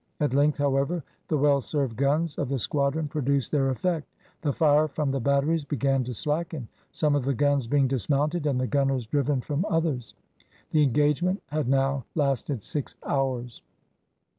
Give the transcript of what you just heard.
At length, however, the well served guns of the squadron produced their effect; the fire from the batteries began to slacken, some of the guns being dismounted and the gunners driven from others. The engagement had now lasted six hours.